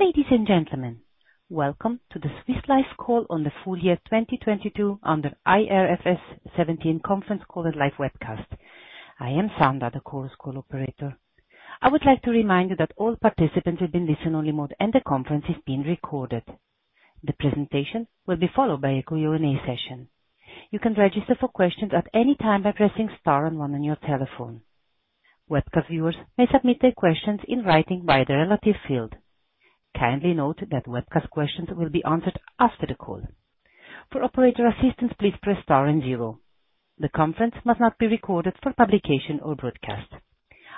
Ladies and gentlemen, welcome to the Swiss Life call on the full year 2022 under IFRS 17 conference call and live webcast. I am Sandra, the call's call operator. I would like to remind you that all participants have been listen-only mode, and the conference is being recorded. The presentation will be followed by a Q&A session. You can register for questions at any time by pressing star 1 on your telephone. Webcast viewers may submit their questions in writing via the relative field. Kindly note that webcast questions will be answered after the call. For operator assistance, please press star 0. The conference must not be recorded for publication or broadcast.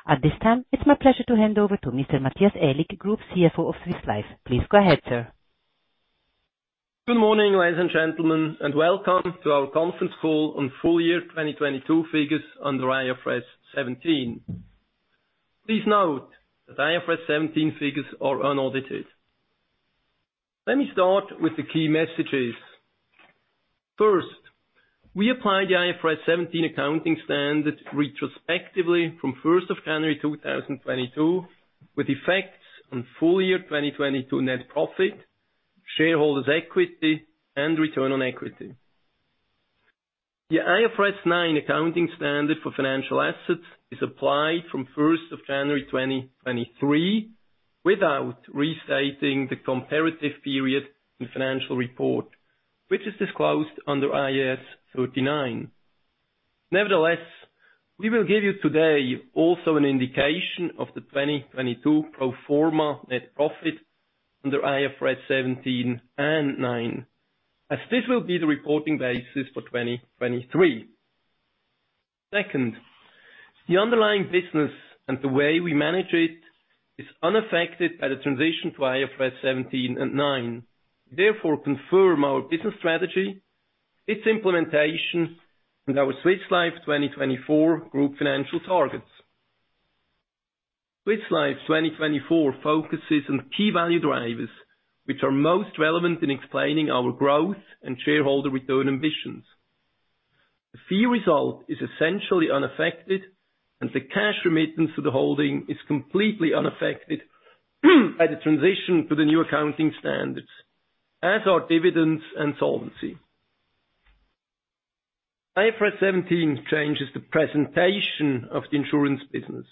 At this time, it's my pleasure to hand over to Mr. Matthias Aellig, Group CFO of Swiss Life. Please go ahead, sir. Good morning, ladies and gentlemen, welcome to our conference call on full year 2022 figures under IFRS 17. Please note that IFRS 17 figures are unaudited. Let me start with the key messages. First, we applied the IFRS 17 accounting standard retrospectively from 1st of January 2022, with effects on full year 2022 net profit, shareholders' equity, and return on equity. The IFRS 9 accounting standard for financial assets is applied from 1st of January 2023, without restating the comparative period in financial report, which is disclosed under IAS 39. Nevertheless, we will give you today also an indication of the 2022 pro forma net profit under IFRS 17 and 9, as this will be the reporting basis for 2023. Second, the underlying business and the way we manage it is unaffected by the transition to IFRS 17 and 9, therefore confirm our business strategy, its implementation, and our Swiss Life 2024 group financial targets. Swiss Life 2024 focuses on key value drivers, which are most relevant in explaining our growth and shareholder return ambitions. The fee result is essentially unaffected, and the cash remittance to the holding is completely unaffected by the transition to the new accounting standards, as are dividends and solvency. IFRS 17 changes the presentation of the insurance business.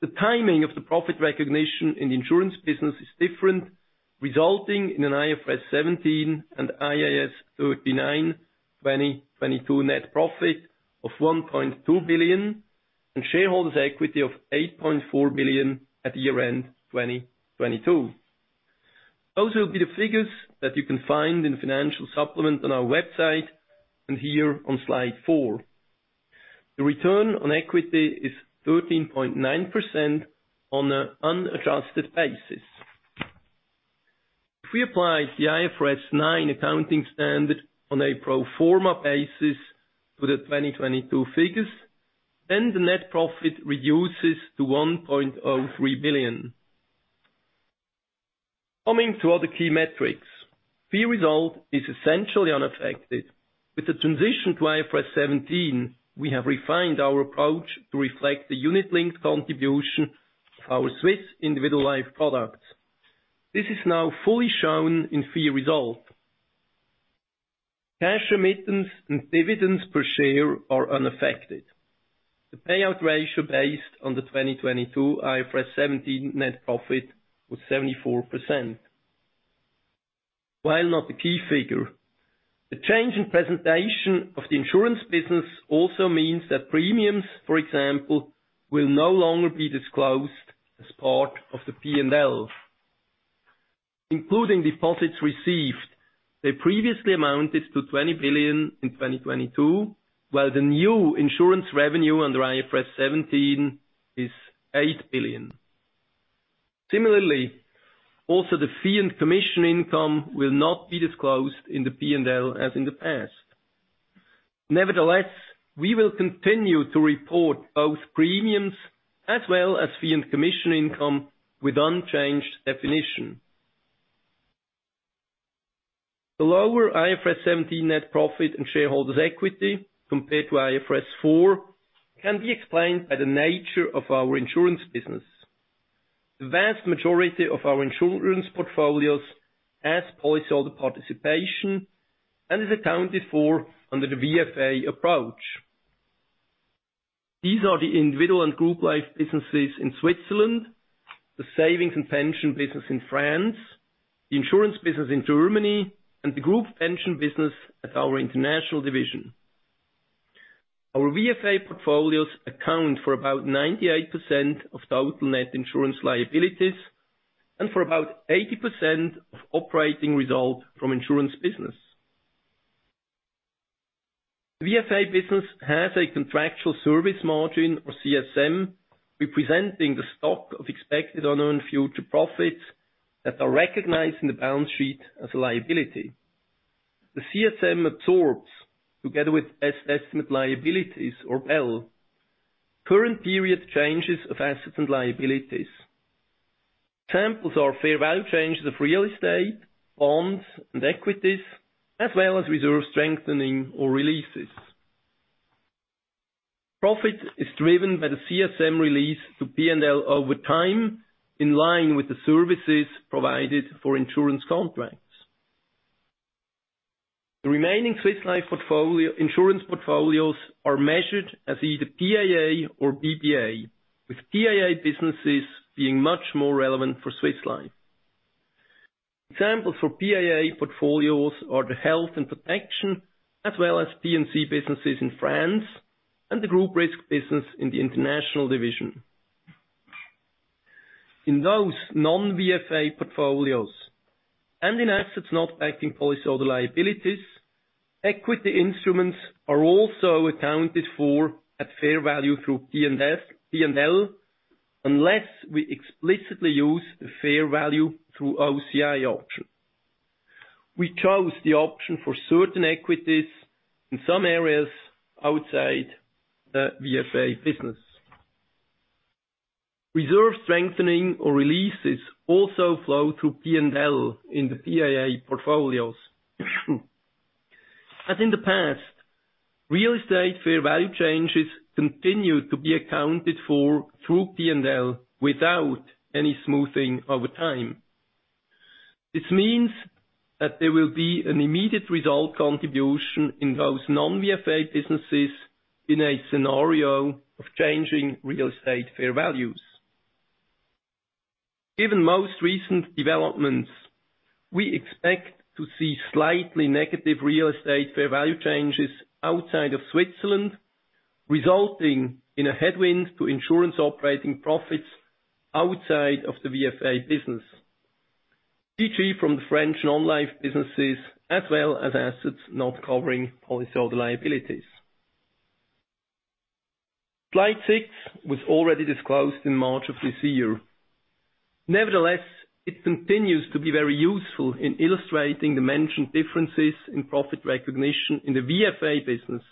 The timing of the profit recognition in the insurance business is different, resulting in an IFRS 17 and IAS 39, 2022 net profit of 1.2 billion and shareholders' equity of 8.4 billion at year-end 2022. Those will be the figures that you can find in the financial supplement on our website and here on slide 4. The return on equity is 13.9% on an unadjusted basis. If we apply the IFRS 9 accounting standard on a pro forma basis to the 2022 figures, the net profit reduces to 1.03 billion. Coming to other key metrics, fee result is essentially unaffected. With the transition to IFRS 17, we have refined our approach to reflect the unit-linked contribution of our Swiss individual life products. This is now fully shown in fee result. Cash remittance and dividends per share are unaffected. The payout ratio based on the 2022 IFRS 17 net profit was 74%. While not the key figure, the change in presentation of the insurance business also means that premiums, for example, will no longer be disclosed as part of the P&L. Including deposits received, they previously amounted to 20 billion in 2022, while the new insurance revenue under IFRS 17 is 8 billion. Similarly, also the fee and commission income will not be disclosed in the P&L as in the past. Nevertheless, we will continue to report both premiums as well as fee and commission income with unchanged definition. The lower IFRS 17 net profit and shareholders' equity compared to IFRS 4 can be explained by the nature of our insurance business. The vast majority of our insurance portfolios has policyholder participation and is accounted for under the VFA approach. These are the individual and group life businesses in Switzerland, the savings and pension business in France, the insurance business in Germany, and the group pension business at our international division. Our VFA portfolios account for about 98% of total net insurance liabilities and for about 80% of operating results from insurance business. VFA business has a contractual service margin, or CSM, representing the stock of expected unearned future profits that are recognized in the balance sheet as a liability. The CSM absorbs, together with best estimate liabilities or L, current period changes of assets and liabilities. Samples are fair value changes of real estate, bonds, and equities, as well as reserve strengthening or releases. Profit is driven by the CSM release to P&L over time, in line with the services provided for insurance contracts. The remaining Swiss Life portfolio, insurance portfolios are measured as either PAA or BDA, with PAA businesses being much more relevant for Swiss Life. Examples for PAA portfolios are the health and protection, as well as P&C businesses in France and the group risk business in the international division. In those non-VFA portfolios and in assets not backing policyholder liabilities, equity instruments are also accounted for at fair value through P&L, unless we explicitly use the fair value through OCI option. We chose the option for certain equities in some areas outside the VFA business. Reserve strengthening or releases also flow through P&L in the PAA portfolios. As in the past, real estate fair value changes continue to be accounted for through P&L without any smoothing over time. This means that there will be an immediate result contribution in those non-VFA businesses in a scenario of changing real estate fair values. Given most recent developments, we expect to see slightly negative real estate fair value changes outside of Switzerland, resulting in a headwind to insurance operating profits outside of the VFA business. TG from the French non-life businesses, as well as assets not covering policyholder liabilities. Slide 6 was already disclosed in March of this year. It continues to be very useful in illustrating the mentioned differences in profit recognition in the VFA business,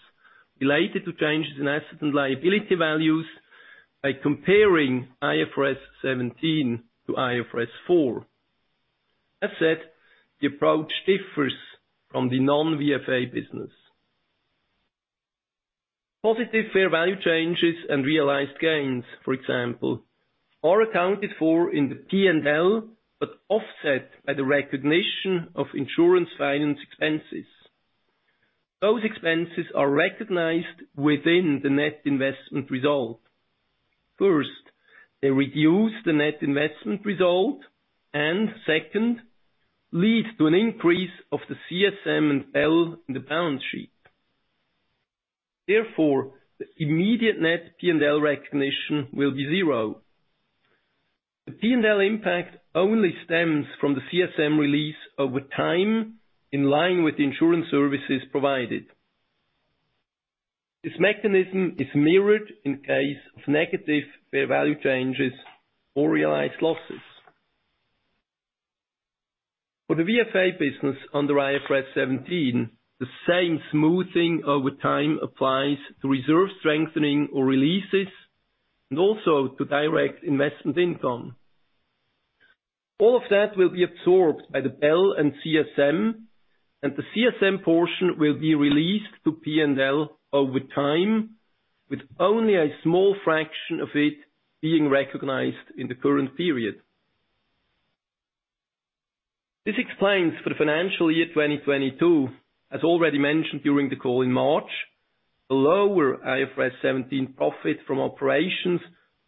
related to changes in asset and liability values by comparing IFRS 17 to IFRS 4. As said, the approach differs from the non-VFA business. Positive fair value changes and realized gains, for example, are accounted for in the P&L, but offset by the recognition of insurance finance expenses. Those expenses are recognized within the net investment result. First, they reduce the net investment result, and second, lead to an increase of the CSM and L in the balance sheet. Therefore, the immediate net P&L recognition will be zero. The P&L impact only stems from the CSM release over time, in line with the insurance services provided. This mechanism is mirrored in case of negative fair value changes or realized losses. For the VFA business under IFRS 17, the same smoothing over time applies to reserve strengthening or releases, and also to direct investment income. All of that will be absorbed by the Bell and CSM, and the CSM portion will be released to P&L over time, with only a small fraction of it being recognized in the current period. This explains for the financial year 2022, as already mentioned during the call in March, a lower IFRS 17 profit from operations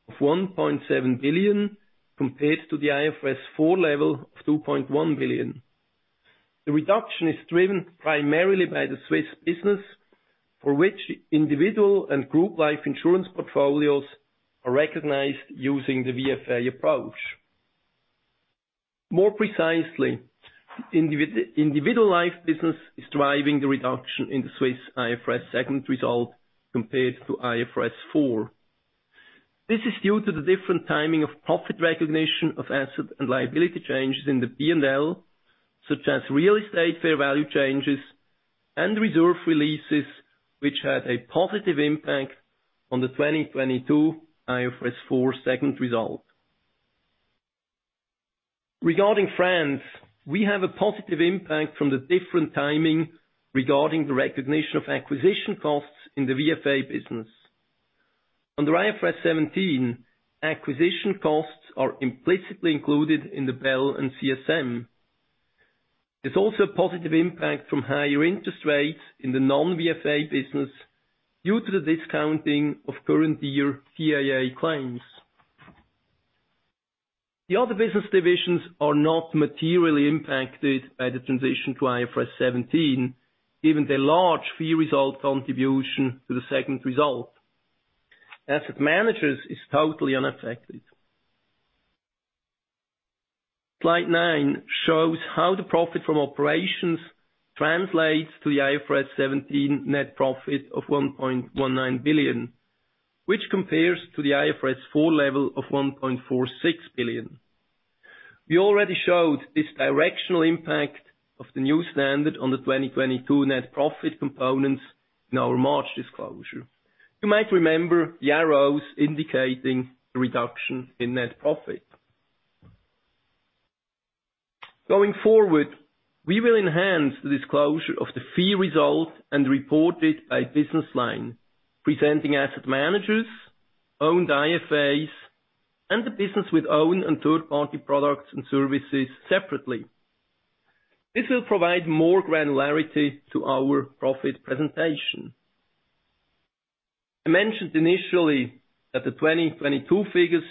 of 1.7 billion, compared to the IFRS 4 level of 2.1 billion. The reduction is driven primarily by the Swiss business, for which individual and group life insurance portfolios are recognized using the VFA approach. More precisely, individual life business is driving the reduction in the Swiss IFRS segment result compared to IFRS 4. This is due to the different timing of profit recognition of asset and liability changes in the P&L, such as real estate fair value changes and reserve releases, which had a positive impact on the 2022 IFRS 4 segment result. Regarding France, we have a positive impact from the different timing regarding the recognition of acquisition costs in the VFA business. Under IFRS 17, acquisition costs are implicitly included in the Bell and CSM. There's also a positive impact from higher interest rates in the non-VFA business due to the discounting of current year PAA claims. The other business divisions are not materially impacted by the transition to IFRS 17, given their large fee result contribution to the segment result. Asset managers is totally unaffected. Slide 9 shows how the profit from operations translates to the IFRS 17 net profit of 1.19 billion, which compares to the IFRS 4 level of 1.46 billion. We already showed this directional impact of the new standard on the 2022 net profit components in our March disclosure. You might remember the arrows indicating the reduction in net profit. Going forward, we will enhance the disclosure of the fee result and report it by business line, presenting asset managers, owned IFAs, and the business with own and third-party products and services separately. This will provide more granularity to our profit presentation. I mentioned initially that the 2022 figures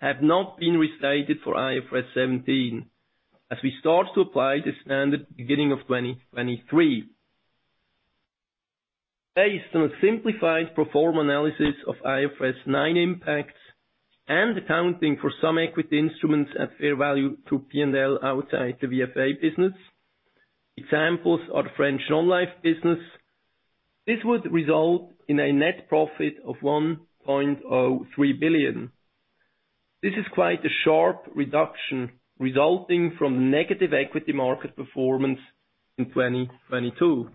have not been restated for IFRS 17, as we start to apply the standard beginning of 2023. Based on a simplified pro forma analysis of IFRS 9 impacts and accounting for some equity instruments at fair value through P&L outside the VFA business. Examples are the French non-life business. This would result in a net profit of 1.03 billion. This is quite a sharp reduction resulting from negative equity market performance in 2022.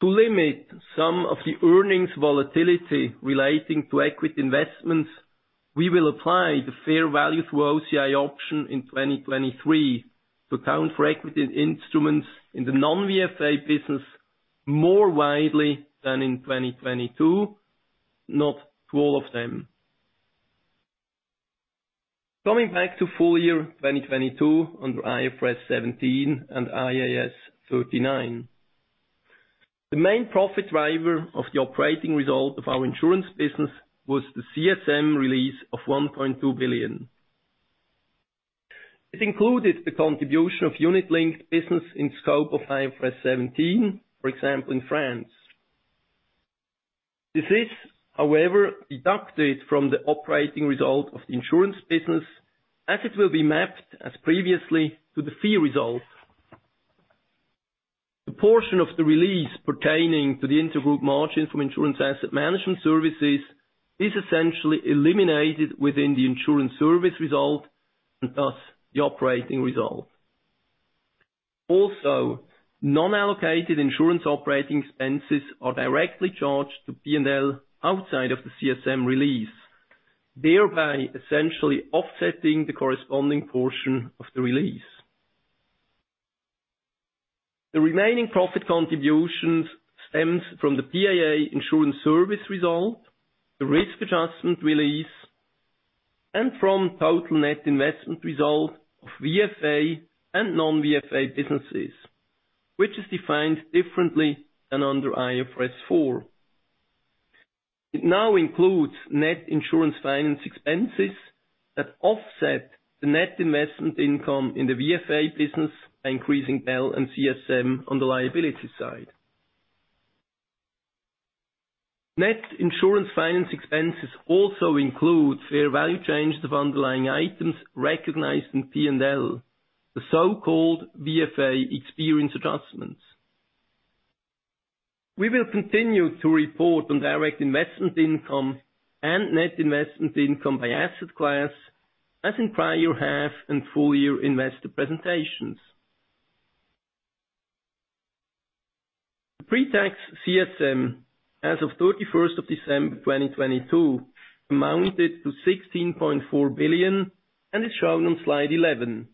To limit some of the earnings volatility relating to equity investments, we will apply the fair value through OCI option in 2023 to account for equity instruments in the non-VFA business more widely than in 2022, not to all of them. Coming back to full year 2022 under IFRS 17 and IAS 39. The main profit driver of the operating result of our insurance business was the CSM release of 1.2 billion. It included the contribution of unit-linked business in scope of IFRS 17, for example, in France. This is, however, deducted from the operating result of the insurance business, as it will be mapped as previously to the fee result. The portion of the release pertaining to the intergroup margin from insurance asset management services is essentially eliminated within the insurance service result and thus the operating result. Non-allocated insurance operating expenses are directly charged to P&L outside of the CSM release, thereby essentially offsetting the corresponding portion of the release. The remaining profit contributions stems from the PAA insurance service result, the risk adjustment release, and from total net investment result of VFA and non-VFA businesses, which is defined differently than under IFRS 4. It now includes net insurance finance expenses that offset the net investment income in the VFA business by increasing L and CSM on the liability side. Net insurance finance expenses also include fair value changes of underlying items recognized in P&L, the so-called VFA experience adjustments. We will continue to report on direct investment income and net investment income by asset class, as in prior half and full year investor presentations. The pre-tax CSM as of 31st of December 2022, amounted to 16.4 billion and is shown on slide 11.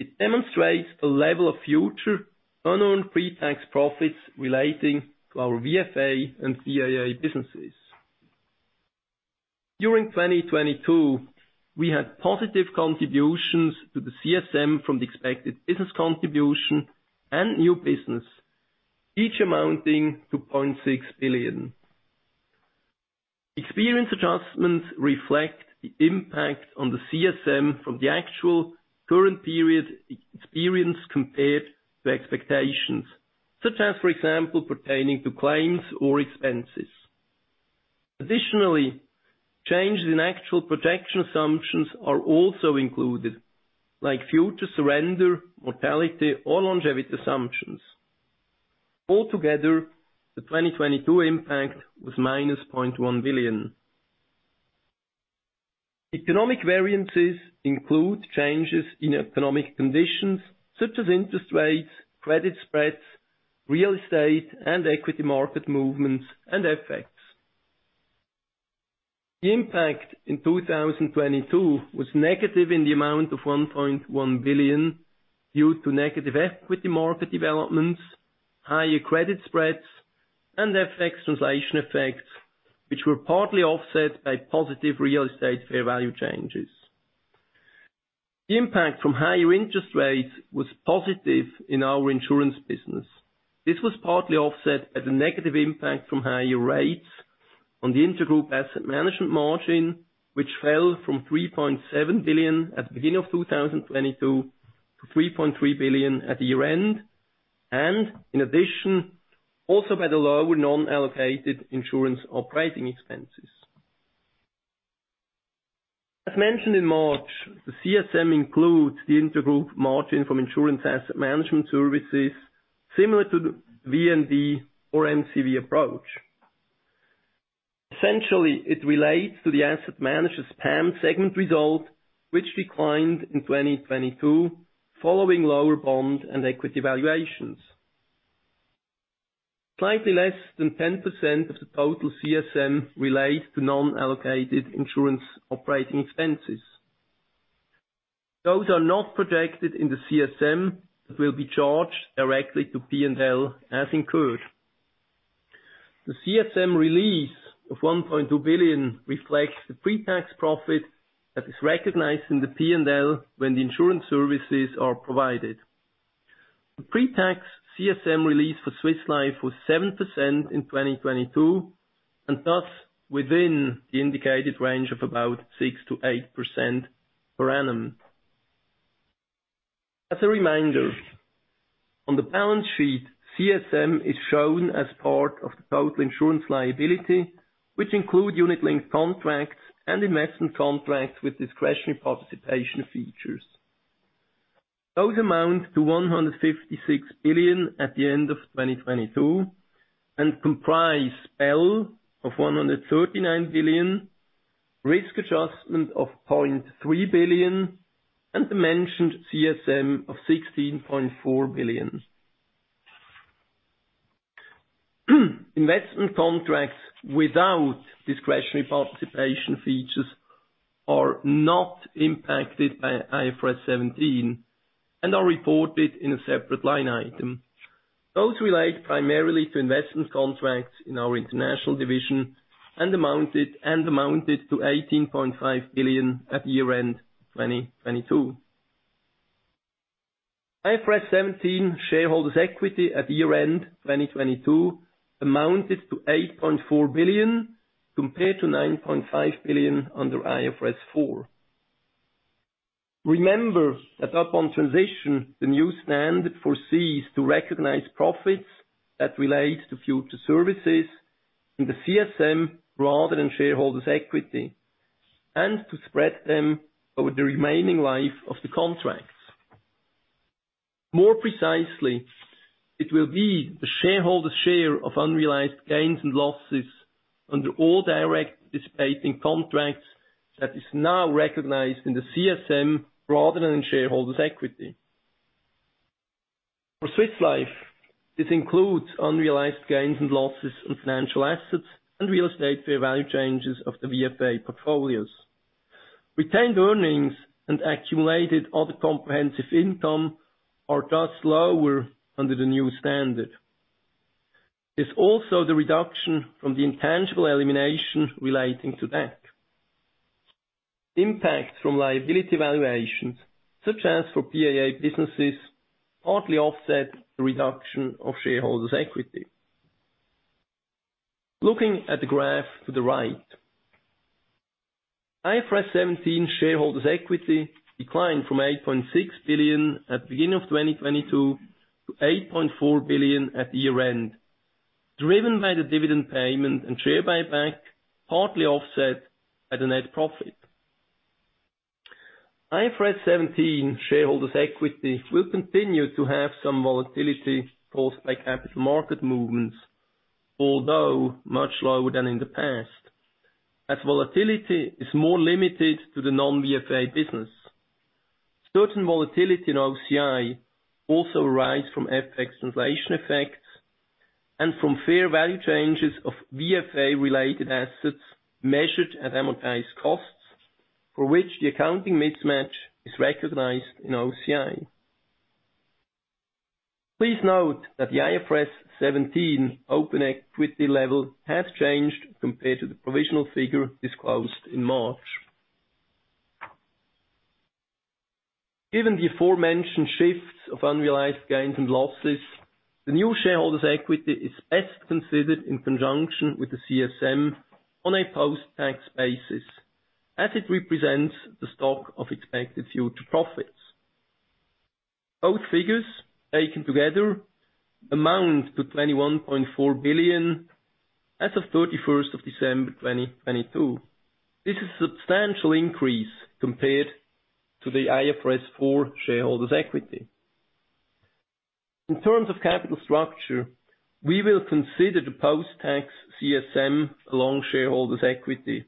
It demonstrates a level of future unearned pre-tax profits relating to our VFA and PAA businesses. During 2022, we had positive contributions to the CSM from the expected business contribution and new business, each amounting to 0.6 billion. Experience adjustments reflect the impact on the CSM from the actual current period experience compared to expectations, such as, for example, pertaining to claims or expenses. Changes in actual projection assumptions are also included, like future surrender, mortality, or longevity assumptions. The 2022 impact was minus 0.1 billion. Economic variances include changes in economic conditions, such as interest rates, credit spreads, real estate, and equity market movements and effects. The impact in 2022 was negative in the amount of 1.1 billion due to negative equity market developments, higher credit spreads, and FX translation effects, which were partly offset by positive real estate fair value changes. The impact from higher interest rates was positive in our insurance business. This was partly offset by the negative impact from higher rates on the intergroup asset management margin, which fell from 3.7 billion at the beginning of 2022 to 3.3 billion at the year-end, and in addition, also by the lower non-allocated insurance operating expenses. As mentioned in March, the CSM includes the intergroup margin from insurance asset management services similar to the VNB or MCV approach. Essentially, it relates to the asset manager's PAM segment result, which declined in 2022 following lower bond and equity valuations. Slightly less than 10% of the total CSM relates to non-allocated insurance operating expenses. Those are not projected in the CSM, but will be charged directly to P&L as incurred. The CSM release of 1.2 billion reflects the pre-tax profit that is recognized in the P&L when the insurance services are provided. The pre-tax CSM release for Swiss Life was 7% in 2022, and thus, within the indicated range of about 6%-8% per annum. As a reminder, on the balance sheet, CSM is shown as part of the total insurance liability, which include unit-linked contracts and investment contracts with discretionary participation features. Those amount to 156 billion at the end of 2022, and comprise Pell of 139 billion, risk adjustment of 0.3 billion, and the mentioned CSM of 16.4 billion. Investment contracts without discretionary participation features are not impacted by IFRS 17, and are reported in a separate line item. Those relate primarily to investment contracts in our international division, and amounted to 18.5 billion at year-end 2022. IFRS 17 shareholders' equity at year-end 2022 amounted to 8.4 billion, compared to 9.5 billion under IFRS 4. Remember that upon transition, the new standard foresees to recognize profits that relate to future services in the CSM rather than shareholders' equity, and to spread them over the remaining life of the contracts. More precisely, it will be the shareholder's share of unrealized gains and losses under all direct participating contracts, that is now recognized in the CSM rather than in shareholders' equity. For Swiss Life, this includes unrealized gains and losses on financial assets and real estate fair value changes of the VFA portfolios. Retained earnings and accumulated other comprehensive income are just lower under the new standard. It's also the reduction from the intangible elimination relating to that. Impact from liability valuations, such as for PAA businesses, partly offset the reduction of shareholders' equity. Looking at the graph to the right, IFRS 17 shareholders' equity declined from 8.6 billion at the beginning of 2022, to 8.4 billion at year-end, driven by the dividend payment and share buyback, partly offset by the net profit. IFRS 17 shareholders' equity will continue to have some volatility caused by capital market movements, although much lower than in the past, as volatility is more limited to the non-VFA business. Certain volatility in OCI also arise from FX translation effects and from fair value changes of VFA-related assets measured at amortized costs, for which the accounting mismatch is recognized in OCI. Please note that the IFRS 17 open equity level has changed compared to the provisional figure disclosed in March. Given the aforementioned shifts of unrealized gains and losses, the new shareholders' equity is best considered in conjunction with the CSM on a post-tax basis, as it represents the stock of expected future profits. Both figures, taken together, amount to 21.4 billion as of 31st of December, 2022. This is a substantial increase compared to the IFRS 4 shareholders' equity. In terms of capital structure, we will consider the post-tax CSM along shareholders' equity,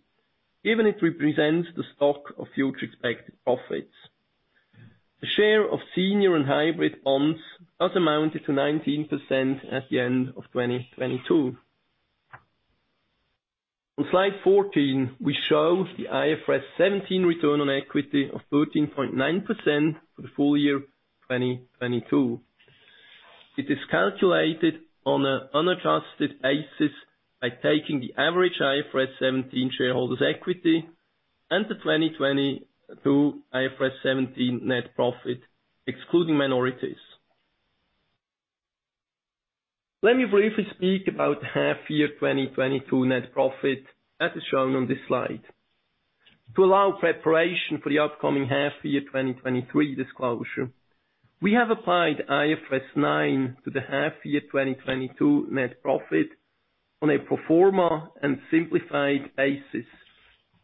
given it represents the stock of future expected profits. The share of senior and hybrid bonds does amount to 19% at the end of 2022. On slide 14, we show the IFRS 17 return on equity of 13.9% for the full year 2022. It is calculated on an unadjusted basis by taking the average IFRS 17 shareholders' equity and the 2022 IFRS 17 net profit, excluding minorities. Let me briefly speak about the half-year 2022 net profit, as is shown on this slide. To allow preparation for the upcoming half-year 2023 disclosure, we have applied IFRS 9 to the half-year 2022 net profit on a pro forma and simplified basis,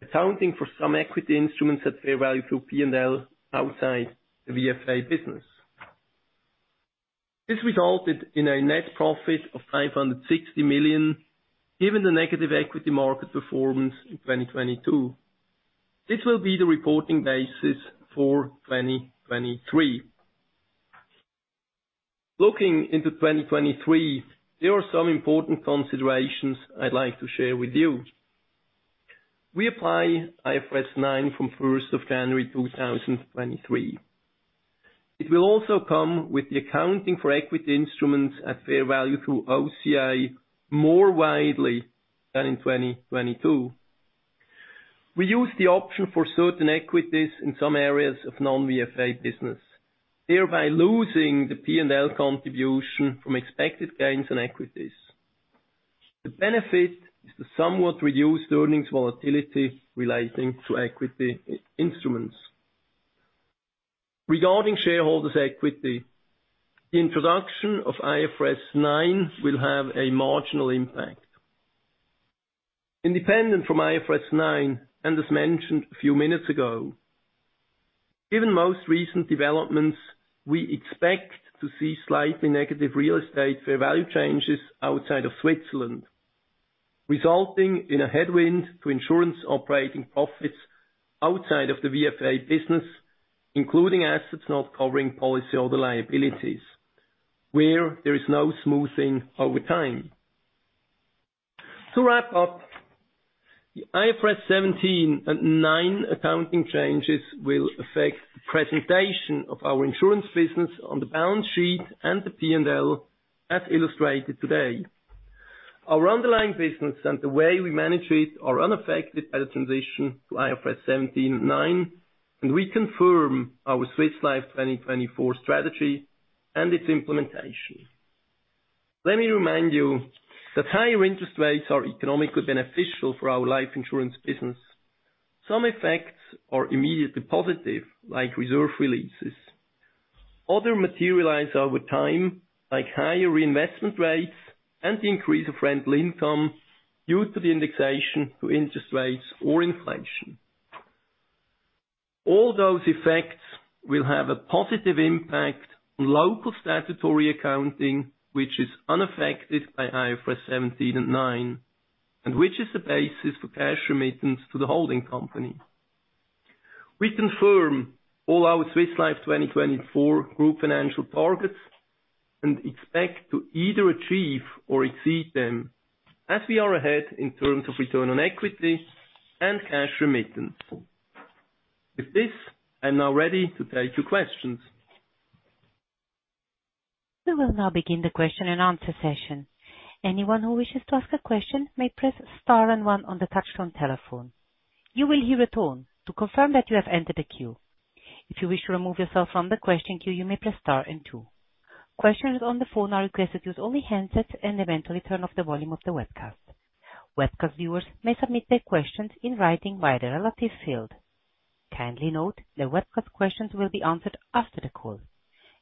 accounting for some equity instruments at fair value through P&L outside the VFA business. This resulted in a net profit of 560 million, given the negative equity market performance in 2022. This will be the reporting basis for 2023. Looking into 2023, there are some important considerations I'd like to share with you. We apply IFRS 9 from 1st of January 2023. It will also come with the accounting for equity instruments at fair value through OCI, more widely than in 2022. We use the option for certain equities in some areas of non-VFA business, thereby losing the P&L contribution from expected gains on equities. The benefit is to somewhat reduce the earnings volatility relating to equity instruments. Regarding shareholders' equity, the introduction of IFRS 9 will have a marginal impact. Independent from IFRS 9, as mentioned a few minutes ago, given most recent developments, we expect to see slightly negative real estate fair value changes outside of Switzerland, resulting in a headwind to insurance operating profits outside of the VFA business, including assets not covering policyholder liabilities, where there is no smoothing over time. To wrap up, the IFRS 17 and 9 accounting changes will affect the presentation of our insurance business on the balance sheet and the P&L, as illustrated today. Our underlying business and the way we manage it are unaffected by the transition to IFRS 17 and 9, and we confirm our Swiss Life 2024 strategy and its implementation. Let me remind you that higher interest rates are economically beneficial for our life insurance business. Some effects are immediately positive, like reserve releases. Other materialize over time, like higher reinvestment rates and the increase of rental income due to the indexation to interest rates or inflation. All those effects will have a positive impact on local statutory accounting, which is unaffected by IFRS 17 and 9, and which is the basis for cash remittance to the holding company. We confirm all our Swiss Life 2024 group financial targets, and expect to either achieve or exceed them, as we are ahead in terms of return on equity and cash remittance. With this, I'm now ready to take your questions. We will now begin the question and answer session. Anyone who wishes to ask a question may press star and one on the touch-tone telephone. You will hear a tone to confirm that you have entered the queue. If you wish to remove yourself from the question queue, you may press star and two. Questions on the phone are requested, use only handsets and eventually turn off the volume of the webcast. Webcast viewers may submit their questions in writing via the relative field. Kindly note, the webcast questions will be answered after the call.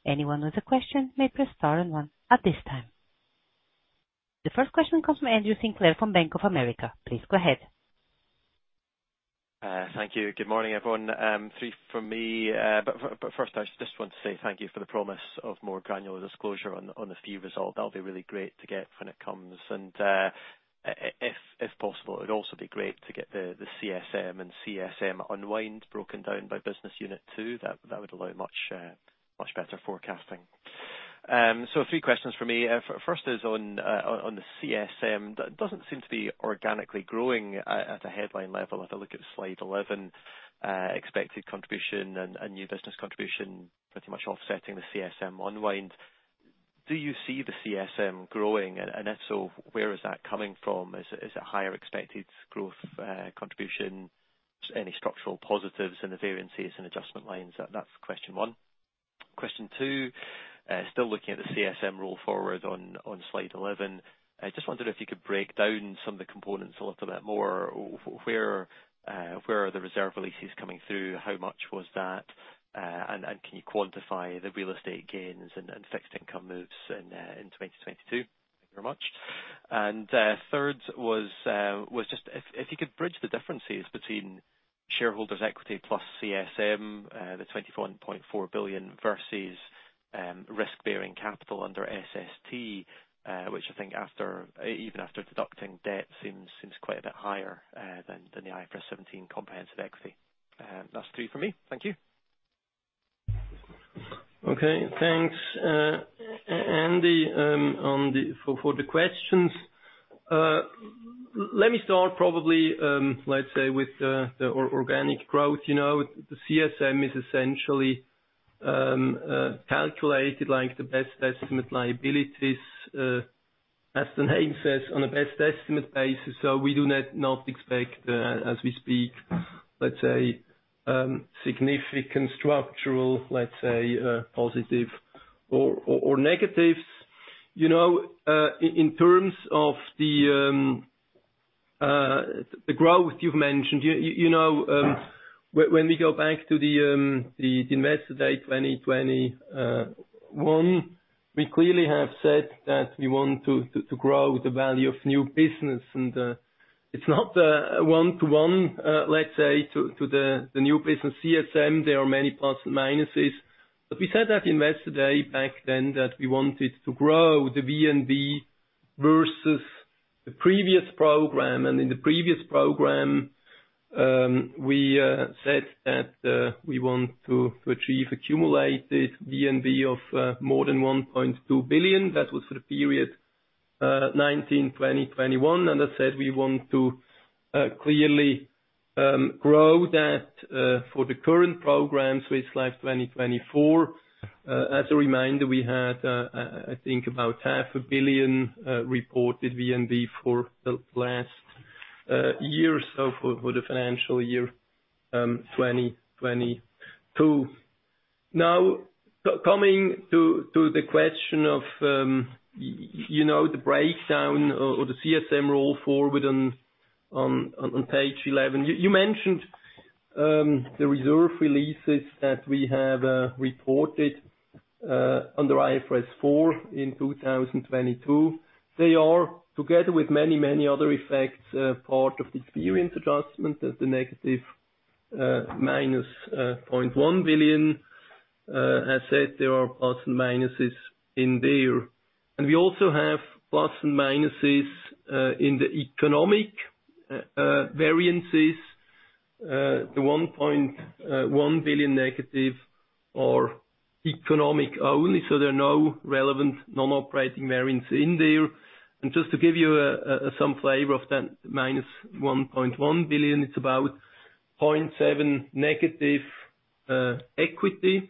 Anyone with a question may press star and one at this time. The first question comes from Andrew Sinclair, from Bank of America. Please go ahead. Thank you. Good morning, everyone. Three from me. First, I just want to say thank you for the promise of more granular disclosure on the fee result. That'll be really great to get when it comes. If possible, it'd also be great to get the CSM and CSM unwind broken down by business unit 2, that would allow much better forecasting. Three questions from me. First is on the CSM. That doesn't seem to be organically growing at a headline level. If I look at slide 11, expected contribution and new business contribution pretty much offsetting the CSM unwind. Do you see the CSM growing, and if so, where is that coming from? Is it higher expected growth contribution? Any structural positives in the variances and adjustment lines? That's question one. Question two, still looking at the CSM roll forward on slide 11. I just wondered if you could break down some of the components a little bit more. Where are the reserve releases coming through? How much was that? Can you quantify the real estate gains and fixed income moves in 2022? Thank you very much. Third was just if you could bridge the differences between shareholders' equity plus CSM, the 21.4 billion versus risk-bearing capital under SST, which I think after even after deducting debt, seems quite a bit higher than the IFRS 17 comprehensive equity. That's 3 for me. Thank you. Okay. Thanks, Andy, for the questions. Let me start probably, let's say, with the organic growth. You know, the CSM is essentially calculated like the best estimate liabilities, as the name says, on a best estimate basis. We do not expect, as we speak, let's say, significant structural, let's say, positive or, or negatives. You know, in terms of the growth you've mentioned, you, you know, when we go back to the Investor Day 2021, we clearly have said that we want to grow the value of new business, it's not a 1-to-1, let's say, to the new business CSM, there are many plus and minuses. We said that Investor Day back then, that we wanted to grow the VNB versus the previous program, and in the previous program, we said that we want to achieve accumulated VNB of more than 1.2 billion. That was for the period 2019, 2020, 2021, and I said we want to clearly grow that for the current program, Swiss Life 2024. As a reminder, we had, I think, about half a billion CHF reported VNB for the last year or so for the financial year 2022. Now, coming to the question of, you know, the breakdown or the CSM roll forward on page 11. You mentioned the reserve releases that we have reported under IFRS 4 in 2022. They are, together with many other effects, part of the experience adjustment of the negative minus 0.1 billion. I said there are plus and minuses in there. We also have plus and minuses in the economic variances. The 1.1 billion negative are economic only, so there are no relevant normal operating variants in there. Just to give you some flavor of that minus 1.1 billion, it's about 0.7 negative equity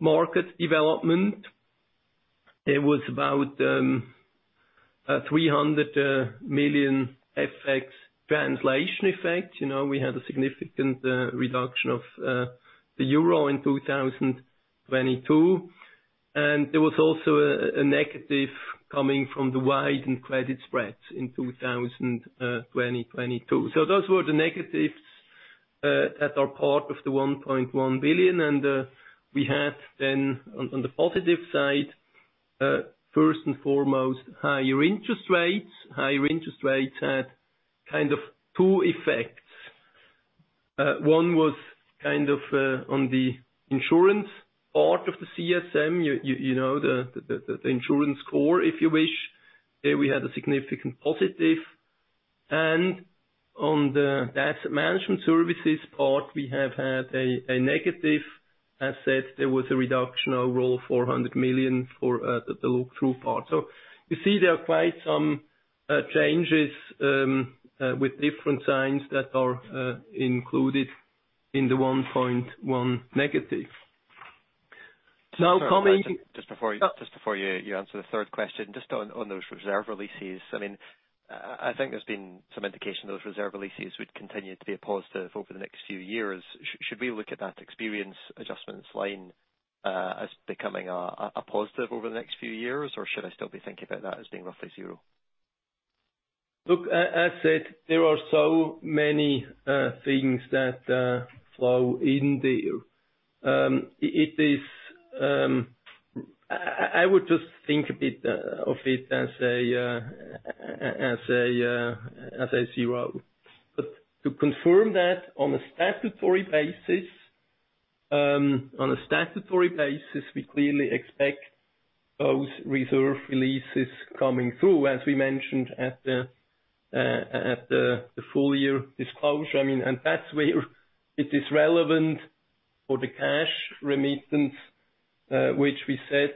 market development. It was about 300 million FX translation effect. You know, we had a significant reduction of the EUR in 2022. There was also a negative coming from the widened credit spreads in 2022. Those were the negatives that are part of the 1.1 billion. We had then, on the positive side, first and foremost, higher interest rates. Higher interest rates had kind of two effects. One was kind of on the insurance part of the CSM, you know, the insurance core, if you wish. There we had a significant positive. On the asset management services part, we have had a negative asset. There was a reduction of overall 400 million for the look-through part. You see there are quite some changes with different signs that are included in the -1.1. Just before you answer the third question, just on those reserve releases. I mean, I think there's been some indication those reserve releases would continue to be a positive over the next few years. Should we look at that Experience Adjustments line as becoming a positive over the next few years? Or should I still be thinking about that as being roughly zero? Look, as said, there are so many things that flow in there. It is... I would just think a bit of it as a zero. To confirm that on a statutory basis, we clearly expect those reserve releases coming through, as we mentioned at the full year disclosure. I mean, that's where it is relevant for the cash remittance, which we said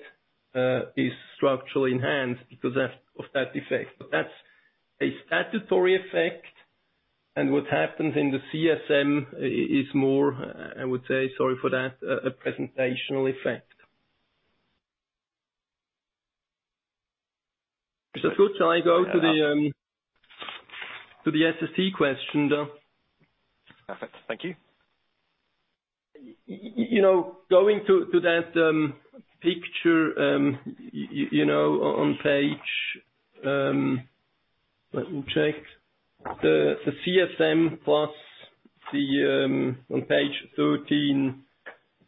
is structurally enhanced because of that effect. That's a statutory effect, and what happens in the CSM is more, I would say, sorry for that, a presentational effect. Should I go to the SST question, though? Perfect. Thank you. You know, going to that picture, you know, on page... Let me check. The CSM plus the on page 13.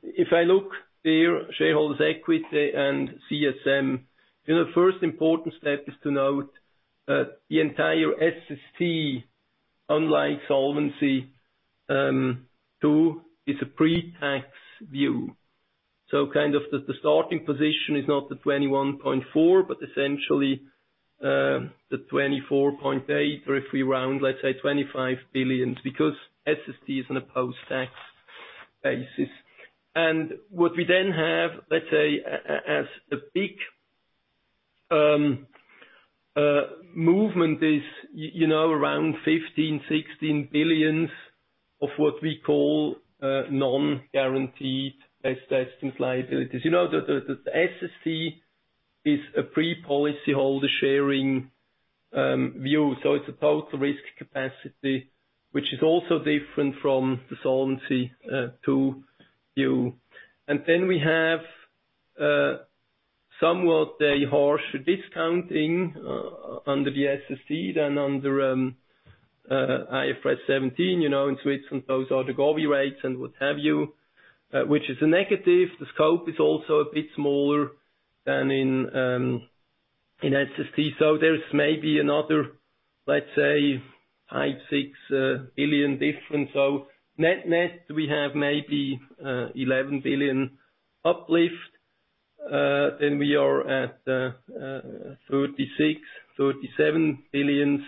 If I look there, shareholders equity and CSM, you know, the first important step is to note that the entire SST, unlike Solvency II, is a pre-tax view. Kind of the starting position is not the 21.4, but essentially the 24.8, or if we round, let's say 25 billion, because SST is on a post-tax basis. What we then have, let's say, as the big movement is, you know, around 15, 16 billions of what we call non-guaranteed asset testing liabilities. You know, the, the SST is a pre-policyholder sharing view, so it's a total risk capacity, which is also different from the Solvency II. Then we have somewhat a harsh discounting under the SST than under IFRS 17, you know, in Switzerland, those are the Govvi rtes and what have you, which is a negative. The scope is also a bit smaller than in SST. There's maybe another, let's say, 5, 6 billion difference. Net-net, we have maybe 11 billion uplift. Then we are at 36, 37 billion,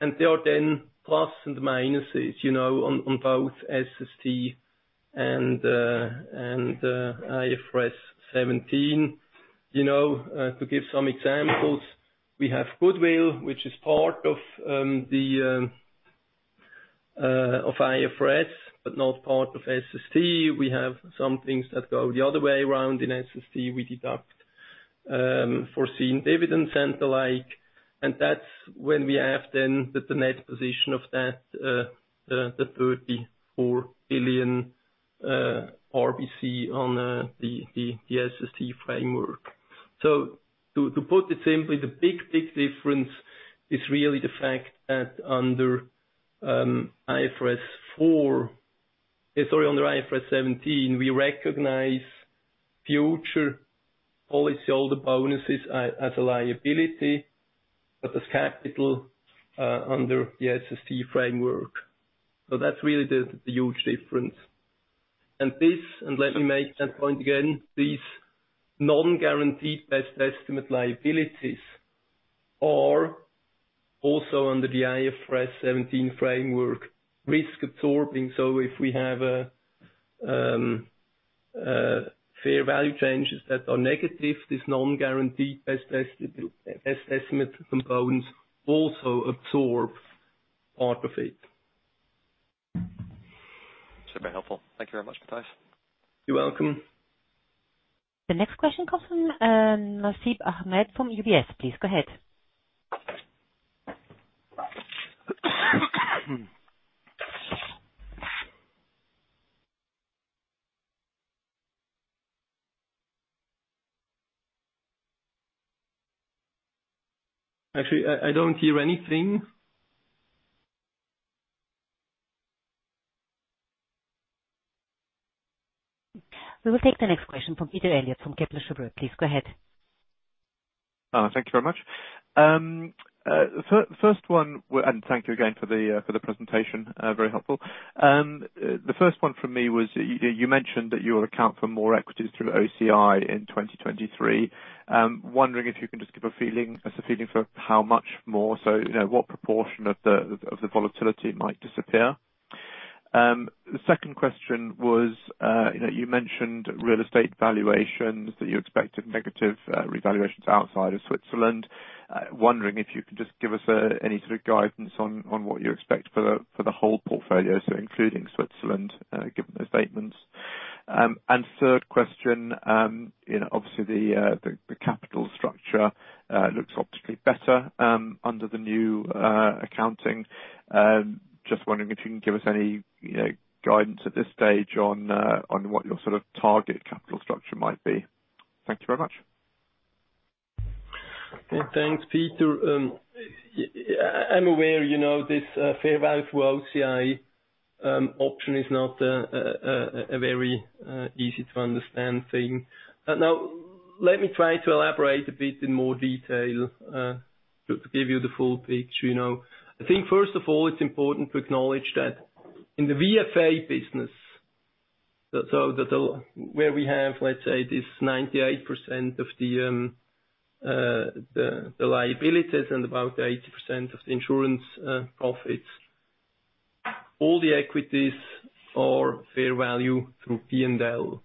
and there are then plus and minuses, you know, on both SST and IFRS 17. You know, to give some examples, we have goodwill, which is part of the of IFRS, but not part of SST. We have some things that go the other way around. In SST, we deduct foreseen dividends and the like, and that's when we have then the net position of that the 34 billion RBC on the SST framework. To put it simply, the big difference is really the fact that under IFRS 4 - sorry, under IFRS 17, we recognize future policy, all the bonuses as a liability, but as capital under the SST framework. That's really the huge difference. Let me make that point again, these non-guaranteed best estimate liabilities are also under the IFRS 17 framework, risk absorbing. If we have a, fair value changes that are negative, this non-guaranteed best estimate components also absorb part of it. Super helpful. Thank you very much, Matthias. You're welcome. The next question comes from Nasib Ahmed from UBS. Please, go ahead. Actually, I don't hear anything. We will take the next question from Peter Eliot from Kepler Cheuvreux. Please, go ahead. Thank you very much. First one, and thank you again for the presentation, very helpful. The first one from me was, you mentioned that you will account for more equities through OCI in 2023. Wondering if you can just give us a feeling for how much more, so, you know, what proportion of the volatility might disappear? The second question was, you know, you mentioned real estate valuations, that you expected negative revaluations outside of Switzerland. Wondering if you could just give us any sort of guidance on what you expect for the whole portfolio, so including Switzerland, given those statements? Third question, you know, obviously the capital structure looks optically better under the new accounting. Just wondering if you can give us any, you know, guidance at this stage on what your sort of target capital structure might be. Thank you very much. Yeah, thanks, Peter. I'm aware, you know, this fair value for OCI option is not a very easy to understand thing. Let me try to elaborate a bit in more detail to give you the full picture, you know. I think, first of all, it's important to acknowledge that in the VFA business, the where we have, let's say, this 98% of the liabilities and about 80% of the insurance profits, all the equities are fair value through P&L.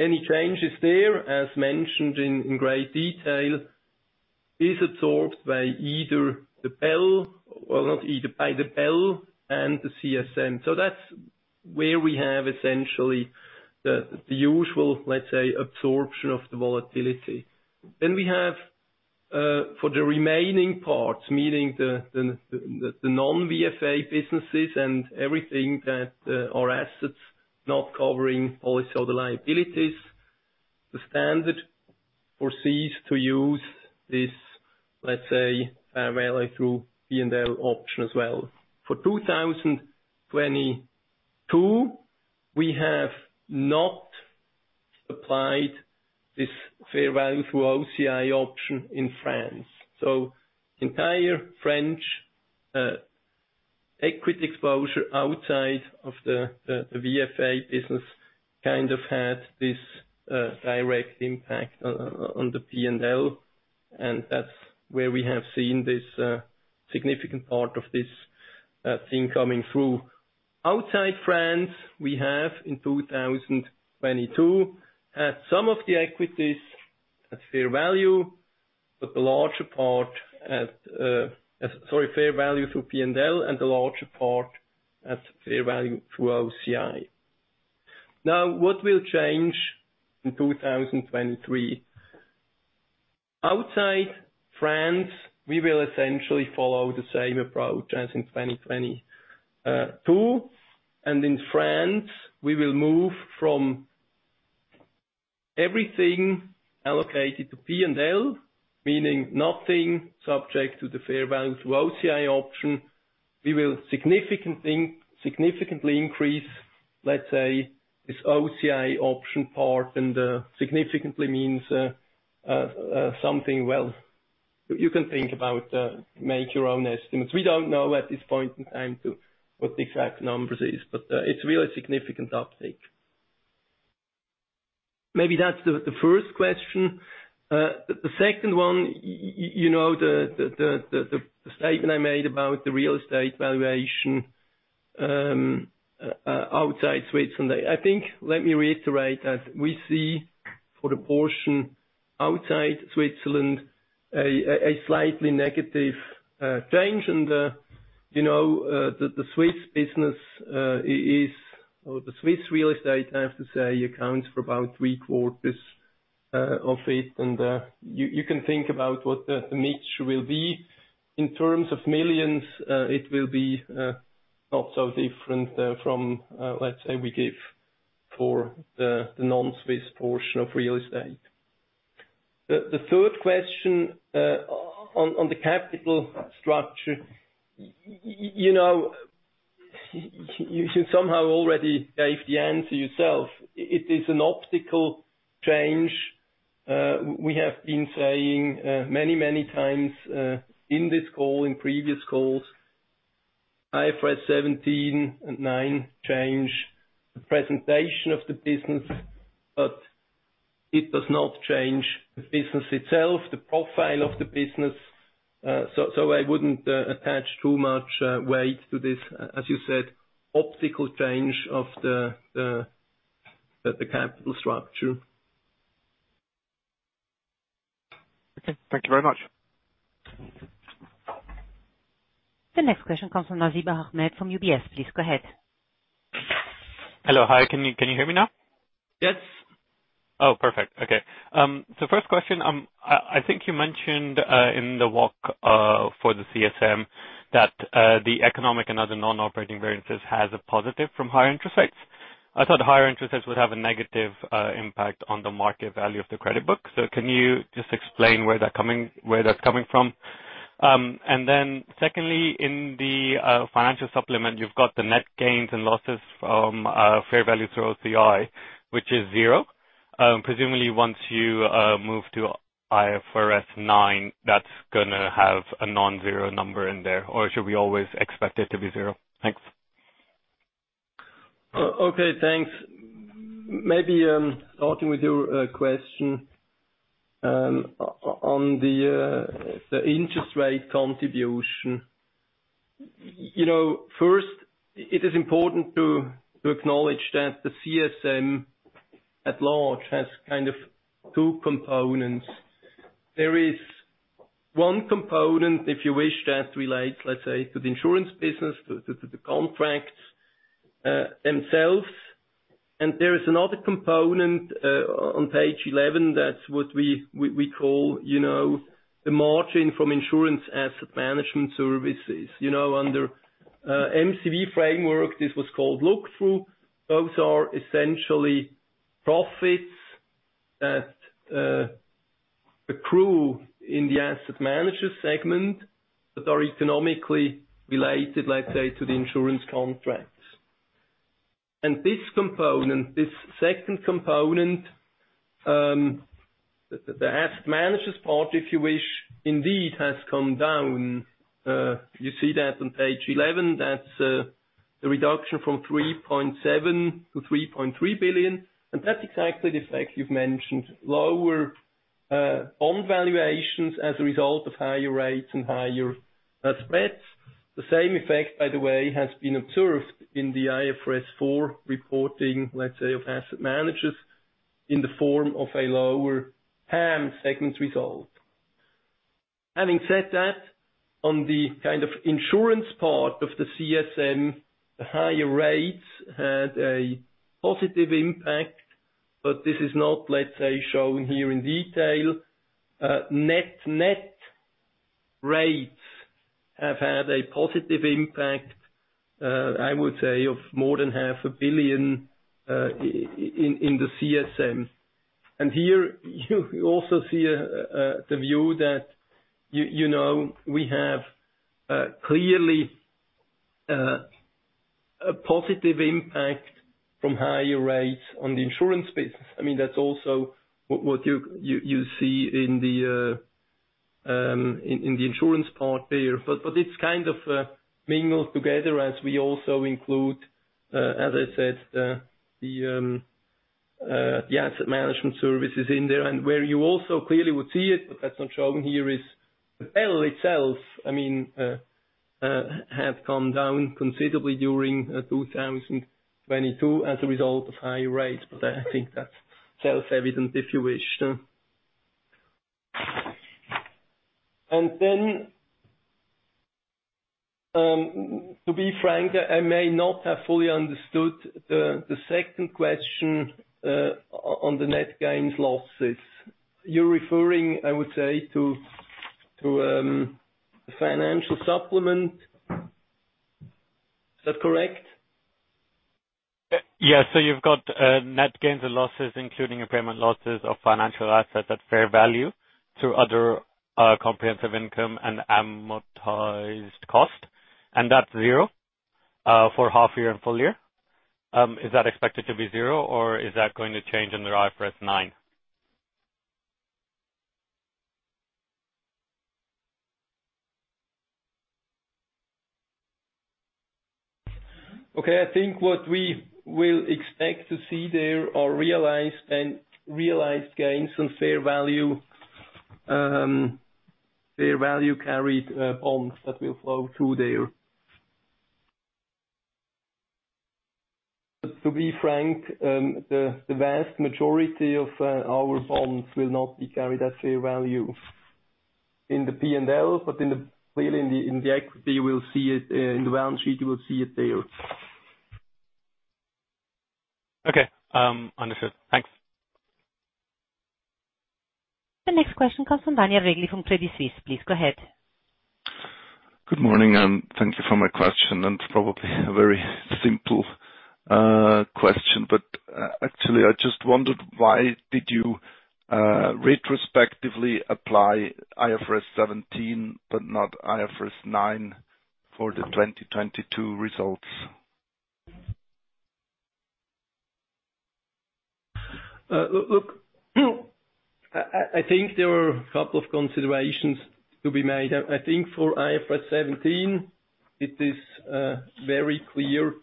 Any changes there, as mentioned in great detail, is absorbed by either the Bell, or not either, by the Bell and the CSM. That's where we have essentially the usual, let's say, absorption of the volatility. We have for the remaining parts, meaning the non-VFA businesses and everything that are assets not covering policyholder liabilities, the standard foresees to use this, let's say, value through P&L option as well. For 2022, we have not applied this fair value through OCI option in France. Entire French equity exposure outside of the VFA business kind of had this direct impact on the P&L, and that's where we have seen this significant part of this thing coming through. Outside France, we have, in 2022, some of the equities at fair value, but the larger part at fair value through P&L, and the larger part at fair value through OCI. What will change in 2023? Outside France, we will essentially follow the same approach as in 2022. In France, we will move from everything allocated to P&L, meaning nothing subject to the fair value through OCI option. We will significantly increase, let's say, this OCI option part. Significantly means something well-. You can think about, make your own estimates. We don't know at this point in time to what the exact numbers is, but it's really significant uptake. Maybe that's the first question. The second one, you know, the statement I made about the real estate valuation outside Switzerland. I think, let me reiterate, that we see for the portion outside Switzerland, a slightly negative change. You know, the Swiss business or the Swiss real estate, I have to say, accounts for about three-quarters of it. You can think about what the mix will be. In terms of millions, it will be not so different from, let's say, we give for the non-Swiss portion of real estate. The third question on the capital structure, you know, you somehow already gave the answer yourself. It is an optical change. We have been saying many times in this call, in previous calls, IFRS 17 and 9 change the presentation of the business, but it does not change the business itself, the profile of the business. I wouldn't attach too much weight to this, as you said, optical change of the, the capital structure. Okay, thank you very much. The next question comes from Nasib Ahmed from UBS. Please go ahead. Hello. Hi, can you hear me now? Yes. Perfect. Okay. First question, I think you mentioned in the walk for the CSM, that the economic and other non-operating variances has a positive from higher interest rates. I thought higher interest rates would have a negative impact on the market value of the credit book. Can you just explain where that's coming from? Secondly, in the financial supplement, you've got the net gains and losses from fair value through OCI, which is 0. Presumably once you move to IFRS 9, that's gonna have a non-0 number in there, or should we always expect it to be 0? Thanks. Okay, thanks. Maybe, starting with your question, on the interest rate contribution. You know, first, it is important to acknowledge that the CSM at large has kind of 2 components. There is 1 component, if you wish, that relates, let's say, to the insurance business, to the contracts themselves. There is another component on page 11, that's what we call, you know, the margin from insurance asset management services. You know, under MCV framework, this was called look through. Those are essentially profits that accrue in the asset management segment, but are economically related, let's say, to the insurance contracts. This component, this 2nd component, the asset management part, if you wish, indeed, has come down. You see that on page 11. That's the reduction from 3.7 billion-3.3 billion. That's exactly the effect you've mentioned. Lower bond valuations as a result of higher rates and higher spreads. The same effect, by the way, has been observed in the IFRS 4 reporting, let's say, of asset managers, in the form of a lower PAM segment result. Having said that, on the kind of insurance part of the CSM, the higher rates had a positive impact. This is not, let's say, shown here in detail. Net, net rates have had a positive impact, I would say, of more than half a billion CHF in the CSM. Here, you also see the view that you know, we have clearly a positive impact from higher rates on the insurance business. I mean, that's also what you see in the insurance part there. It's kind of mingled together as we also include, as I said, the asset management services in there. Where you also clearly would see it, but that's not shown here, is the L itself, I mean, has come down considerably during 2022 as a result of higher rates. I think that's self-evident, if you wish, so. Then, to be frank, I may not have fully understood the second question on the net gains losses. You're referring, I would say, to the financial supplement. Is that correct? Yeah. You've got net gains and losses, including impairment losses of financial assets at fair value, through other comprehensive income and amortized cost, and that's 0 for half year and full year? Is that expected to be 0, or is that going to change under IFRS 9? Okay, I think what we will expect to see there are realized and realized gains and fair value carried bonds that will flow through there. To be frank, the vast majority of our bonds will not be carried at fair value in the P&L, but clearly in the equity, we'll see it in the balance sheet, you will see it there. Okay. Understood. Thanks. The next question comes from Daniel Regli from Credit Suisse. Please go ahead. Good morning, thank you for my question, probably a very simple question. Actually, I just wondered, why did you retrospectively apply IFRS 17, but not IFRS 9 for the 2022 results? Look, I think there were a couple of considerations to be made. I think for IFRS 17, it is very clear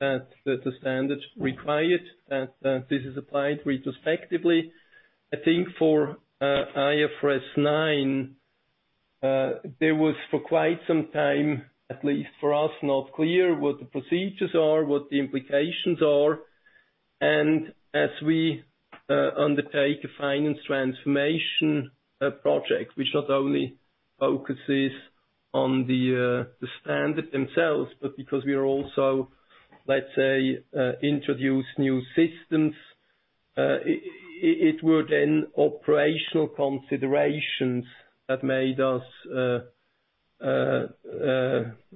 that the standards require it, and this is applied retrospectively. I think for IFRS 9, there was for quite some time, at least for us, not clear what the procedures are, what the implications are. As we undertake a finance transformation project, which not only focuses on the standard themselves, but because we are also, let's say, introduce new systems, it were then operational considerations that made us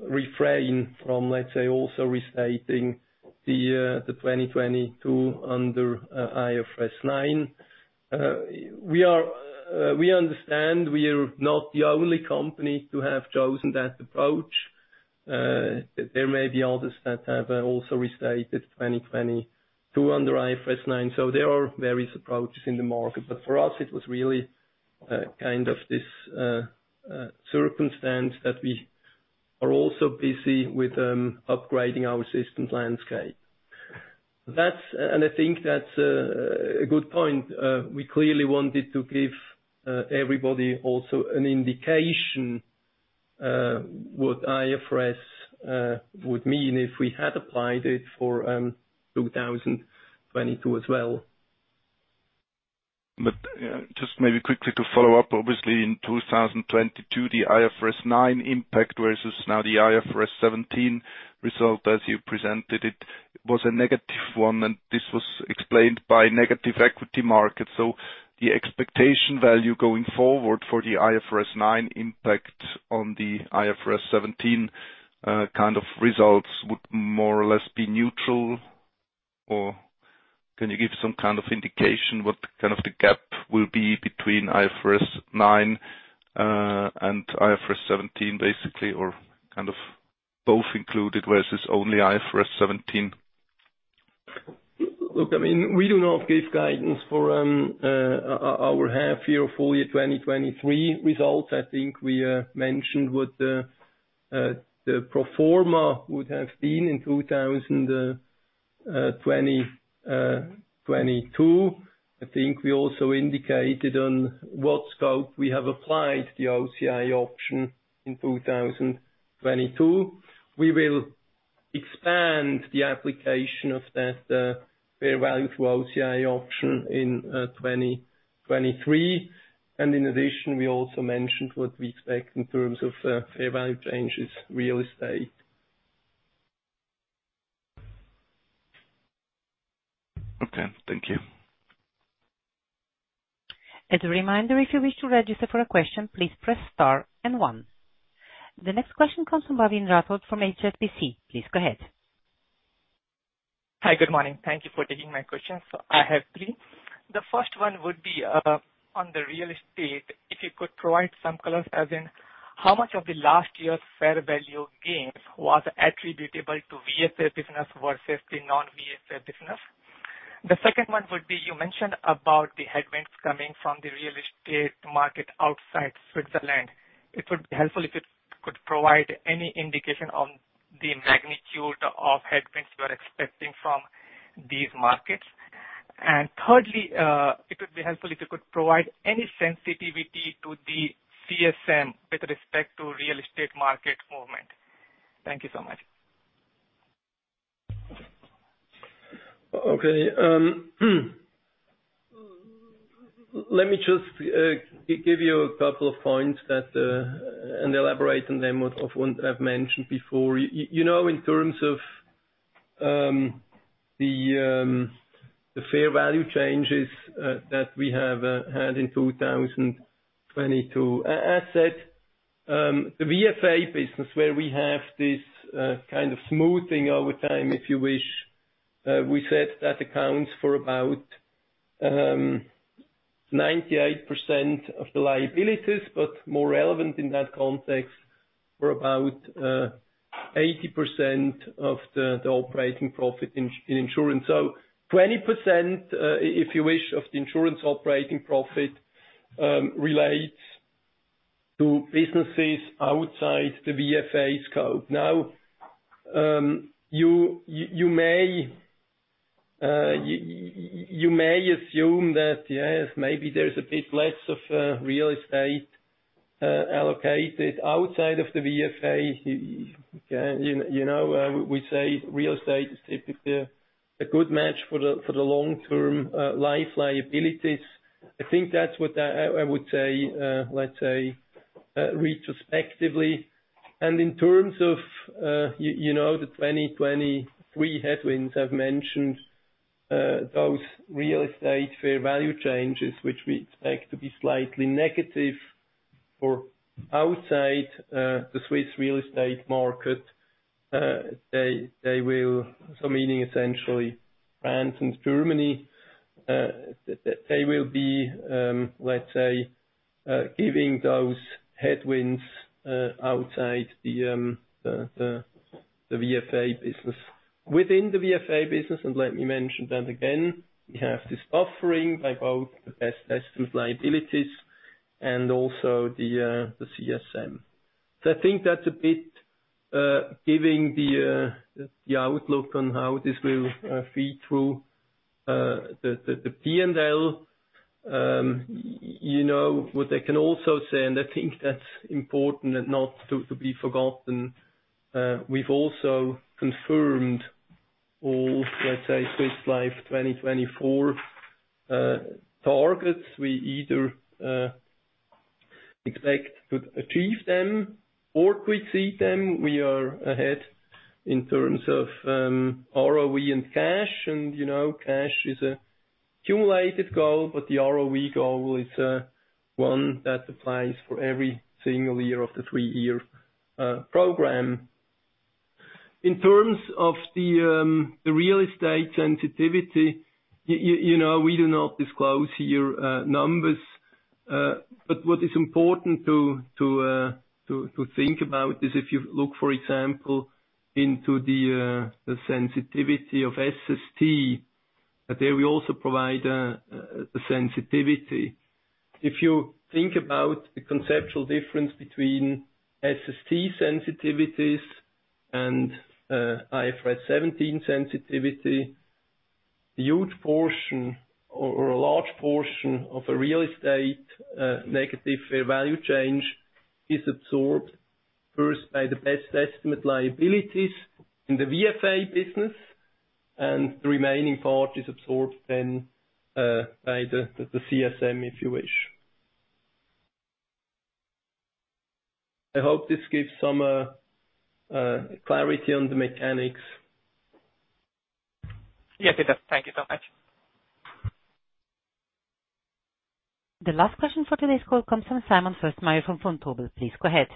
refrain from, let's say, also restating the 2022 under IFRS 9. We understand we are not the only company to have chosen that approach. There may be others that have also restated 2022 under IFRS 9. There are various approaches in the market. For us, it was really kind of this circumstance that we are also busy with upgrading our systems landscape. I think that's a good point. We clearly wanted to give everybody also an indication what IFRS would mean if we had applied it for 2022 as well. Just maybe quickly to follow up. Obviously, in 2022, the IFRS 9 impact, versus now the IFRS 17 result, as you presented it, was -1, and this was explained by negative equity markets. The expectation value going forward for the IFRS 9 impact on the IFRS 17, kind of results, would more or less be neutral? Can you give some kind of indication what kind of the gap will be between IFRS 9 and IFRS 17, basically, or kind of both included, versus only IFRS 17? Look, I mean, we do not give guidance for our half year or full year 2023 results. I think we mentioned what the pro forma would have been in 2022. I think we also indicated on what scope we have applied the OCI option in 2022. We will expand the application of that fair value through OCI option in 2023. In addition, we also mentioned what we expect in terms of fair value changes real estate. Okay, thank you. As a reminder, if you wish to register for a question, please press star and one. The next question comes from Bhavin Rathod from HSBC. Please go ahead. Hi, good morning. Thank you for taking my question. I have three. The first one would be on the real estate, if you could provide some color, as in how much of the last year's fair value gains was attributable to VFA business versus the non-VFA business? The second one would be, you mentioned about the headwinds coming from the real estate market outside Switzerland. It would be helpful if you could provide any indication on the magnitude of headwinds you are expecting from these markets. Thirdly, it would be helpful if you could provide any sensitivity to the CSM with respect to real estate market movement. Thank you so much. Okay. Let me just give you a couple of points that and elaborate on them of ones that I've mentioned before. You know, in terms of the fair value changes that we have had in 2022. As said, the VFA business, where we have this kind of smoothing over time, if you wish, we said that accounts for about 98% of the liabilities, but more relevant in that context, were about 80% of the operating profit in insurance. 20% if you wish, of the insurance operating profit relates to businesses outside the VFA scope. You may assume that, yes, maybe there's a bit less of real estate allocated outside of the VFA. You know, we say real estate is typically a good match for the long-term life liabilities. I think that's what I would say retrospectively. In terms of you know, the 2023 headwinds I've mentioned, those real estate fair value changes, which we expect to be slightly negative for outside the Swiss real estate market, So meaning essentially France and Germany, they will be giving those headwinds outside the VFA business. Within the VFA business, and let me mention that again, we have this buffering by both the best estimate liabilities and also the CSM. I think that's a bit giving the outlook on how this will feed through the P&L. You know, what I can also say, and I think that's important and not to be forgotten, we've also confirmed all, let's say, Swiss Life 2024 targets. We either expect to achieve them, or we see them. We are ahead in terms of ROE and cash. You know, cash is a cumulative goal, but the ROE goal is one that applies for every single year of the 3-year program. In terms of the real estate sensitivity, you know, we do not disclose here numbers. What is important to think about is if you look, for example, into the sensitivity of SST, that there we also provide a sensitivity. If you think about the conceptual difference between SST sensitivities and IFRS 17 sensitivity, a huge portion or a large portion of a real estate negative fair value change is absorbed first by the best estimate liabilities in the VFA business, and the remaining part is absorbed then by the CSM, if you wish. I hope this gives some clarity on the mechanics. Yes, it does. Thank you so much. The last question for today's call comes from Simon Fössmeier from Vontobel. Please, go ahead.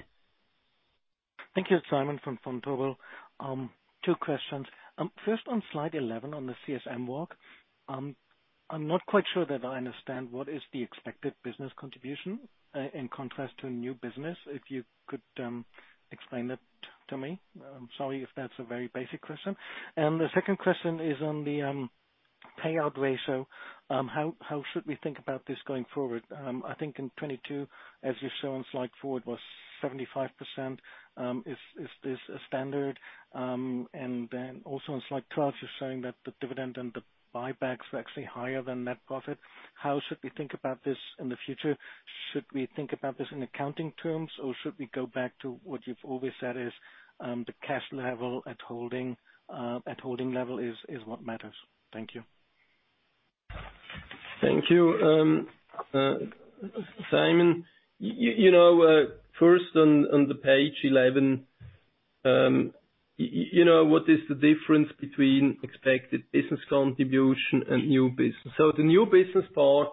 Thank you. Simon from Vontobel. Two questions. First, on slide 11, on the CSM walk, I'm not quite sure that I understand what is the expected business contribution, in contrast to new business. If you could explain that to me. I'm sorry if that's a very basic question. The second question is on the payout ratio. How should we think about this going forward? I think in 2022, as you show on slide 4, it was 75%. Is this a standard? Also on slide 12, you're showing that the dividend and the buybacks are actually higher than net profit. How should we think about this in the future? Should we think about this in accounting terms, or should we go back to what you've always said is the cash level at holding level is what matters? Thank you. Thank you. Simon, you know, first on page 11, you know, what is the difference between expected business contribution and new business? The new business part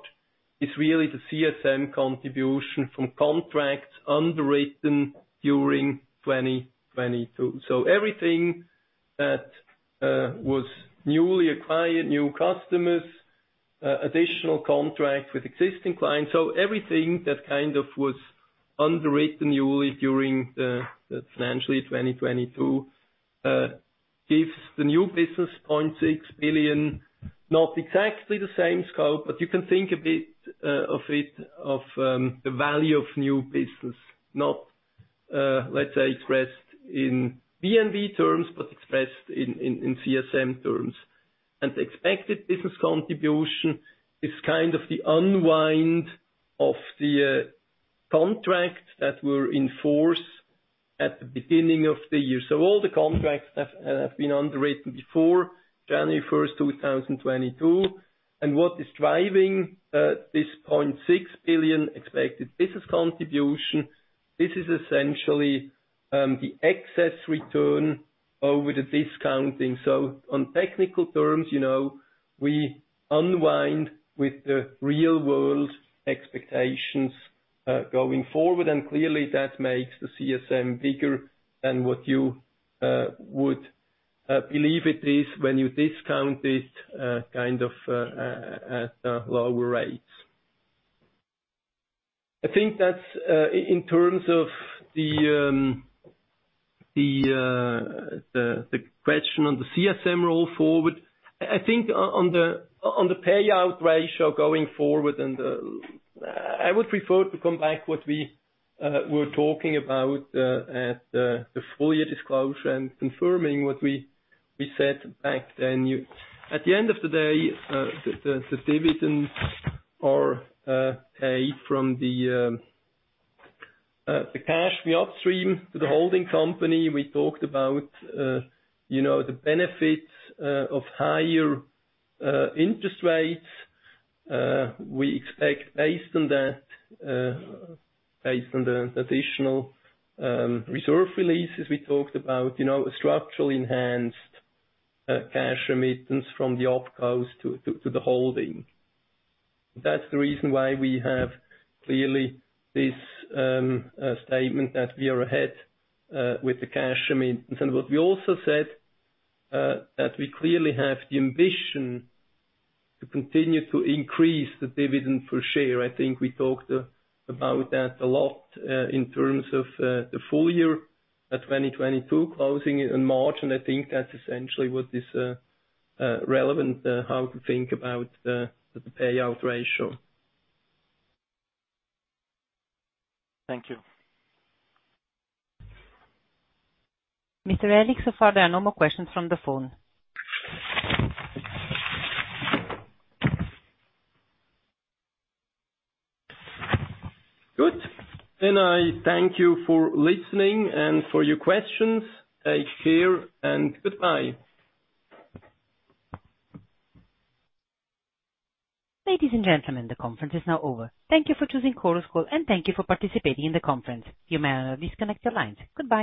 is really the CSM contribution from contracts underwritten during 2022. Everything that was newly acquired, new customers, additional contracts with existing clients. Everything that kind of was underwritten newly during the, financially 2022, gives the new business 0.6 billion. Not exactly the same scope, but you can think a bit of it, of the value of new business, not, let's say, expressed in P&L terms, but expressed in CSM terms. The expected business contribution is kind of the unwind of the contracts that were in force at the beginning of the year. All the contracts have been underwritten before January 1, 2022. What is driving this 0.6 billion expected business contribution, this is essentially the excess return over the discounting. On technical terms, you know, we unwind with the real-world expectations going forward. Clearly, that makes the CSM bigger than what you would expect, believe it is when you discount it kind of at lower rates. I think that's in terms of the question on the CSM roll forward. I think on the payout ratio going forward and the I would refer to come back what we were talking about at the full year disclosure and confirming what we said back then. At the end of the day, the dividends are paid from the cash, the upstream to the holding company. We talked about, you know, the benefits of higher interest rates. We expect based on that, based on the additional reserve releases, we talked about, you know, a structurally enhanced cash remittance from the opco to the holding. That's the reason why we have clearly this statement that we are ahead with the cash remittance. What we also said, that we clearly have the ambition to continue to increase the dividend per share. I think we talked about that a lot, in terms of, the full year, 2022 closing in March, and I think that's essentially what is, relevant, how to think about the payout ratio. Thank you. Mr. Aellig, so far there are no more questions from the phone. Good. I thank you for listening and for your questions. Take care, and goodbye. Ladies and gentlemen, the conference is now over. Thank you for choosing Chorus Call, and thank you for participating in the conference. You may now disconnect your lines. Goodbye.